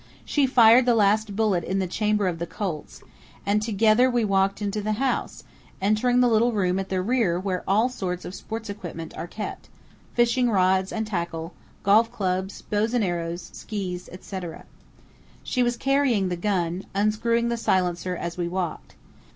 She fired the last bullet in the chamber of the Colt's, and together we walked to the house, entering the little room at the rear where all sorts of sports equipment are kept fishing rods and tackle, golf clubs, bows and arrows, skis, etc. She was carrying the gun, unscrewing the silencer as we walked.